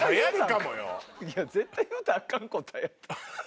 いや絶対言うたらアカン答えやった。